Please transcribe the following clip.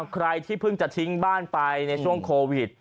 ใครที่เพิ่งจะทิ้งบ้านไปในช่วงโควิด